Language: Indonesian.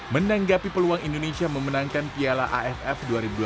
menanggapi peluang indonesia memenangkan piala aff dua ribu delapan belas